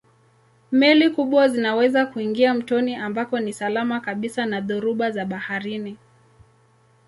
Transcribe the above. Meli kubwa zinaweza kuingia mtoni ambako ni salama kabisa na dhoruba za baharini.